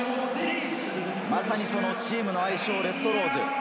まさにそのチームの愛称・レッドローズ。